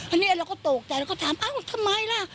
อันนี้เราก็ตกใจเราก็ถามอ้าวทำไมล่ะ